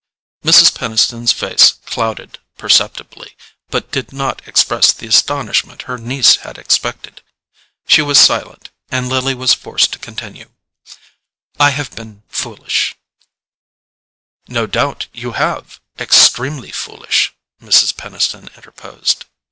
Mrs. Peniston's face clouded perceptibly, but did not express the astonishment her niece had expected. She was silent, and Lily was forced to continue: "I have been foolish——" "No doubt you have: extremely foolish," Mrs. Peniston interposed.